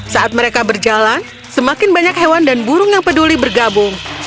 saat mereka berjalan semakin banyak hewan dan burung yang peduli bergabung